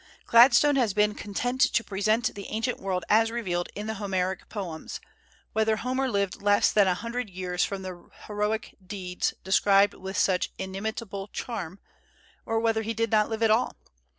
Gladstone has been content to present the ancient world as revealed in the Homeric poems, whether Homer lived less than a hundred years from the heroic deeds described with such inimitable charm, or whether he did not live at all.